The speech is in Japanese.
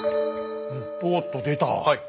おっと出た。